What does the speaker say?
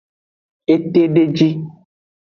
Etedeji.